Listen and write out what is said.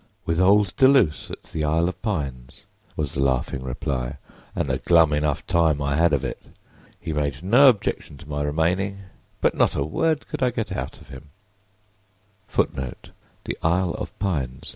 "With old Deluse at the 'Isle of Pines,'" was the laughing reply; "and a glum enough time I had of it. He made no objection to my remaining, but not a word could I get out of him."